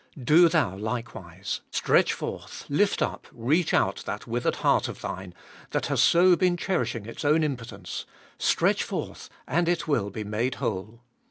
Do thou, likewise. Stretch forth, lift up, reach out that withered heart of thine, that has so been cherishing its own impotence, — stretch forth, and it will be made whole.